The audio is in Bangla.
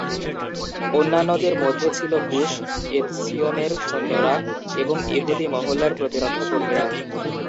অন্যান্যদের মধ্যে ছিল গুশ এৎসিওনের সৈন্যরা এবং ইহুদি মহল্লার প্রতিরক্ষা কর্মীরা।